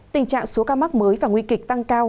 tình trạng số ca mắc mới và nguy kịch tăng cao